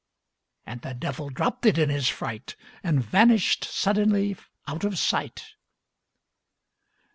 And the Devil dropped it in his fright, And vanished suddenly out of sight!